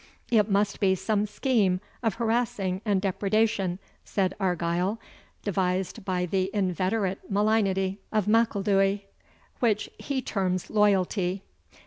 "It must be some scheme of harassing and depredation," said Argyle, "devised by the inveterate malignity of M'Ilduy, which he terms loyalty.